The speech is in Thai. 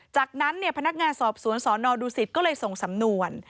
จากนั้นพนักงานสอบสวนสนดูสิตก็เลยส่งสำนวน